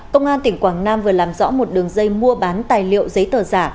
công an tỉnh quảng nam vừa làm rõ một đường dây mua bán tài liệu giấy tờ giả